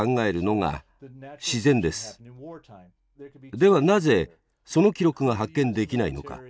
ではなぜその記録が発見できないのか。